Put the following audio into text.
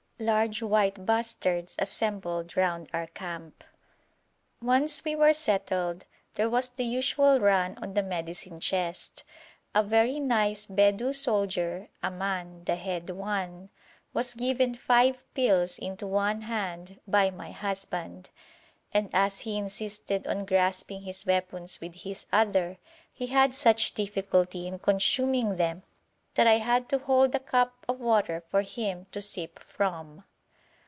Large white bustards assembled round our camp. Once we were settled, there was the usual run on the medicine chest. A very nice Bedou soldier, Aman, the head one, was given five pills into one hand by my husband, and as he insisted on grasping his weapons with his other, he had such difficulty in consuming them that I had to hold the cup of water for him to sip from.